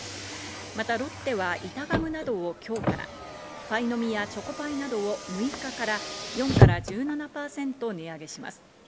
またロッテは板ガムなどを今日から、パイの実やチョコパイなどを６日から４％から１７％値上げします。